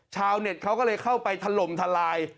ชาวเน็ตเขาก็เลยเข้าไปถล่มทลาย